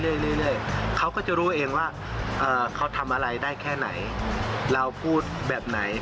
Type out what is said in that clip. เรื่อยเขาก็จะรู้เองว่าเขาทำอะไรได้แค่ไหนเราพูดแบบไหน